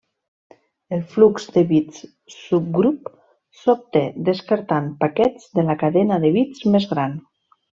El flux de bits subgrup s’obté descartant paquets de la cadena de bits més gran.